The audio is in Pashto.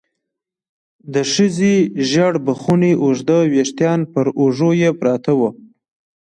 د ښځې ژېړ بخوني اوږده ويښتان پر اوږو يې پراته وو.